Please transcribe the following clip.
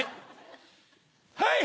はい！